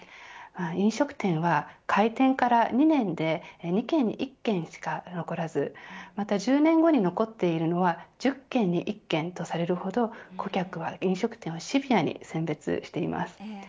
飲食店は開店から２年で２軒に１軒しか残らずまた１０年後に残っているのは１０軒に１軒とされるほど顧客は飲食店をシビアに選別しています。